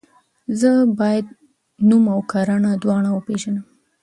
زه باید نوم او کړنه دواړه وپیژنم.